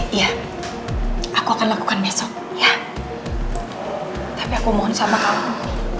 iya aku akan lakukan besok ya tapi aku mohon sama kamu